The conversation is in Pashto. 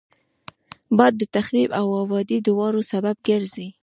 باد د تخریب او آبادي دواړو سبب ګرځي